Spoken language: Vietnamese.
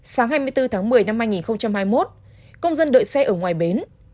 sáng hai mươi bốn một mươi hai nghìn hai mươi một công dân đợi xe ở ngoài bến